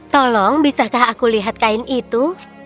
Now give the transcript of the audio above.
tolong bisakah aku lihat kain itu